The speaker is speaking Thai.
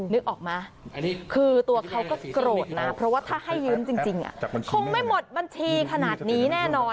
นึกออกไหมคือตัวเขาก็โกรธนะเพราะว่าถ้าให้ยืมจริงคงไม่หมดบัญชีขนาดนี้แน่นอน